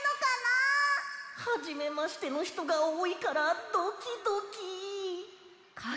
はじめましてのひとがおおいからドキドキ！か